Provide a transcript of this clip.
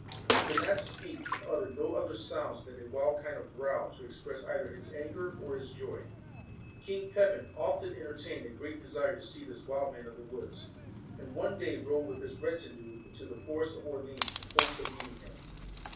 He could not speak, and uttered no other sounds than a wild kind of growl to express either his anger or his joy. King Pepin often entertained a great desire to see this wild man of the woods ; and one day rode with his retinue into the forest of Orleans in hopes of meeting him.